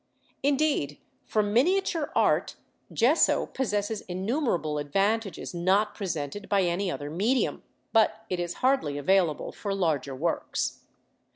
Indeed, for miniature art, gesso possesses innumerable advantages not presented by any other medium, but it is hardly available for larger works.